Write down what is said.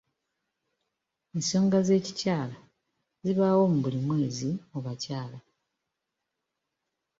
Ensonga z'ekikyala zibaawo buli mwezi mu bakyala.